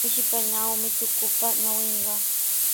Mishipanawmi tukupa ñawinqa.